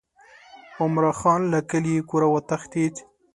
عمرا خان له کلي کوره وتښتېد.